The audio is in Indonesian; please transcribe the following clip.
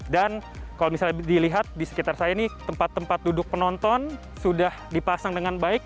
dan kalau misalnya dilihat di sekitar saya ini tempat tempat duduk penonton sudah dipasang dengan baik